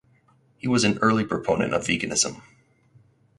He was an early proponent of veganism.